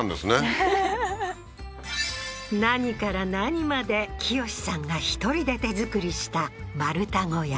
はっ何から何まで清司さんが１人で手造りした丸太小屋